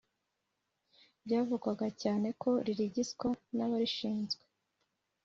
byavugwaga cyane ko ririgiswa n’ abarishinzwe